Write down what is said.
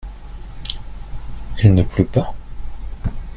Il ne pleut pas ?